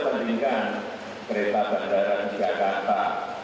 tapi banyak nangkepnya kalau di jakarta